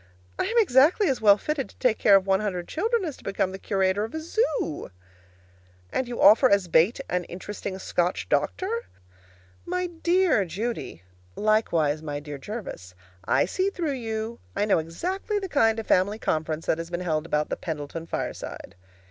I am exactly as well fitted to take care of one hundred children as to become the curator of a zoo. And you offer as bait an interesting Scotch doctor? My dear Judy, likewise my dear Jervis, I see through you! I know exactly the kind of family conference that has been held about the Pendleton fireside.